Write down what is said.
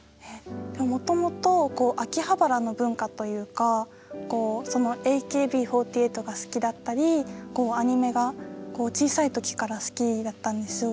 もともと秋葉原の文化というかＡＫＢ４８が好きだったりアニメが小さい時から好きだったんですよ。